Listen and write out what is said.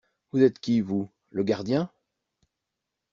Vous êtes qui, vous? Le gardien ?